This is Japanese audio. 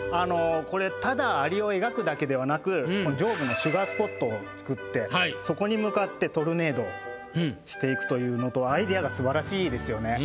これただアリを描くだけではなく上部のシュガースポットを作ってそこに向かってトルネードしていくというアイディアが素晴らしいですよね。